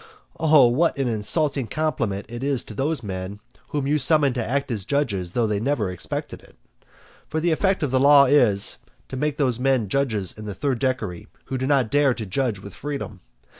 Oh what an insulting compliment it is to those men whom you summon to act as judges though they never expected it! For the effect of the law is, to make those men judges in the third decury who do not dare to judge with freedom.